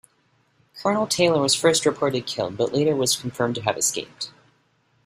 Colonel Taylor was first reported killed, but later was confirmed to have escaped.